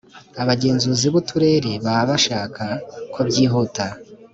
abagenzuzi b uturere baba bashaka ko byihuta